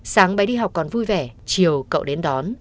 sáng bé đi học còn vui vẻ chiều cậu đến đón